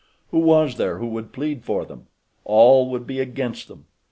Who was there who would plead for them? All would be against them.